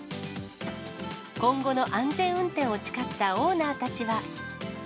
今後の安全運転を誓ったオーナーたちは。